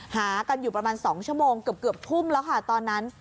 หากันอยู่ประมาณ๒ชั่วโมงเกือบทุ่มแล้วค่ะตอนนั้น